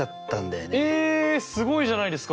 えすごいじゃないですか！